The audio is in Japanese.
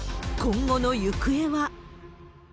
今後の行方は？